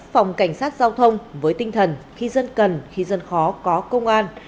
phòng cảnh sát giao thông với tinh thần khi dân cần khi dân khó có công an